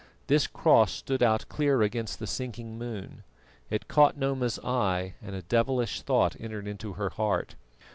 This cross stood out clear against the sinking moon. It caught Noma's eye, and a devilish thought entered into her heart.